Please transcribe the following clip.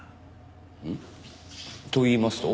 ん？といいますと？